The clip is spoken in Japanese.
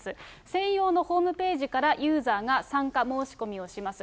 専用のホームページからユーザーが参加申し込みをします。